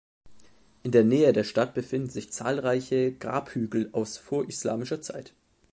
In der Nähe der Stadt befinden sich zahlreiche Grabhügel aus vorislamischer Zeit.